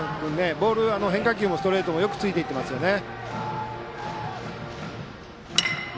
ボール、変化球もストレートもよくついていっていますね。